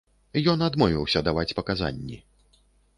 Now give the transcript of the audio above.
Ён адмовіўся даваць паказанні.